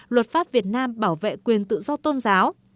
luật pháp việt nam bảo vệ quyền tự do tôn giáo